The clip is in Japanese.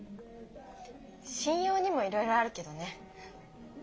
信用にもいろいろあるけどね。